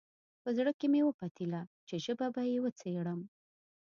په زړه کې مې وپتېیله چې ژبه به یې وڅېړم.